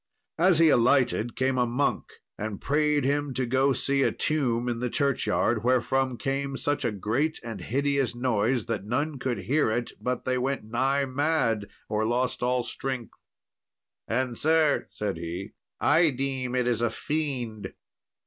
As he alighted, came a monk, and prayed him to go see a tomb in the churchyard, wherefrom came such a great and hideous noise, that none could hear it but they went nigh mad, or lost all strength. "And sir," said he, "I deem it is a fiend."